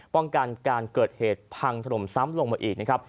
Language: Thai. ป้องกันการเกิดเหตุพังถล่มซ้ำลงมาอีกนะครับ